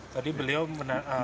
tadi beliau menerima